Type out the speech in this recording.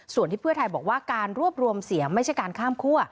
ส่วนที่เพื่อไทยบอกว่าการรวบรวมเสียงไม่ใช่การข้ามคั่ว